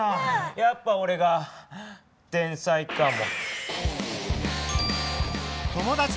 やっぱおれが天才かも。